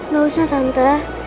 gak usah tante